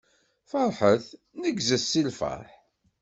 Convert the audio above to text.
Feṛḥet, neggzet si lfeṛḥ!